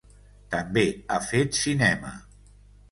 També ha fet cinema.